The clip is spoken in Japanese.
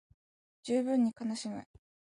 十分に悲しむ